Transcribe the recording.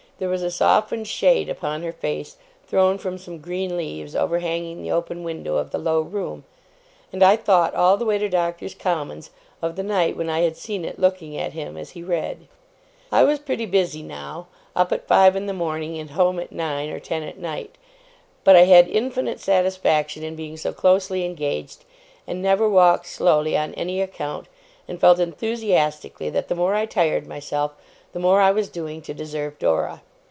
There was a softened shade upon her face, thrown from some green leaves overhanging the open window of the low room; and I thought all the way to Doctors' Commons, of the night when I had seen it looking at him as he read. I was pretty busy now; up at five in the morning, and home at nine or ten at night. But I had infinite satisfaction in being so closely engaged, and never walked slowly on any account, and felt enthusiastically that the more I tired myself, the more I was doing to deserve Dora.